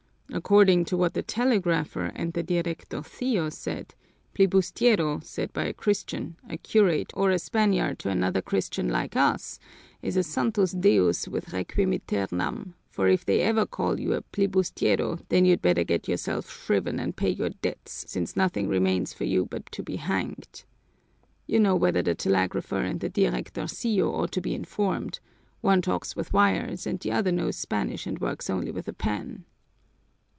According to what the telegrapher and the directorcillo said, plibustiero, said by a Christian, a curate, or a Spaniard to another Christian like us is a santusdeus with requimiternam, for if they ever call you a plibustiero then you'd better get yourself shriven and pay your debts, since nothing remains for you but to be hanged. You know whether the telegrapher and the directorcillo ought to be informed; one talks with wires and the other knows Spanish and works only with a pen."